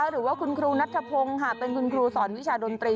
หรือว่าคุณครูนัทพงศ์ค่ะเป็นคุณครูสอนวิชาดนตรี